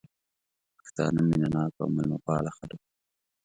پښتانه مينه ناک او ميلمه پال خلک دي